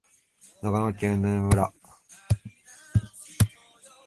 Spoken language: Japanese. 長野県南箕輪村